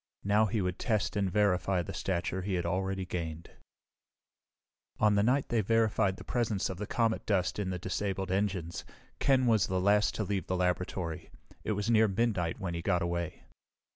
Now he would test and verify the stature he had already gained. On the night they verified the presence of the comet dust in the disabled engines, Ken was the last to leave the laboratory. It was near midnight when he got away.